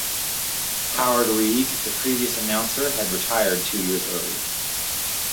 Howard Reig, the previous announcer, had retired two years earlier.